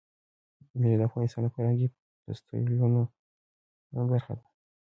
مېوې د افغانستان د فرهنګي فستیوالونو برخه ده.